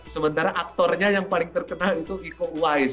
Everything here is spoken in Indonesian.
sementara aktornya yang paling terkenal itu iko uwais